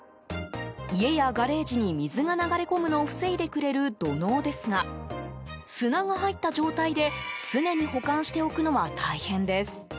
家やガレージに水が流れ込むのを防いでくれる土のうですが砂が入った状態で常に保管しておくのは大変です。